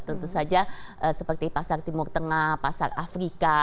tentu saja seperti pasar timur tengah pasar afrika